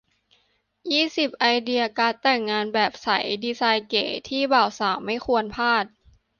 ยี่สิบ ไอเดียการ์ดแต่งงานแบบใสดีไซน์เก๋ ที่บ่าวสาวไม่ควรพลาด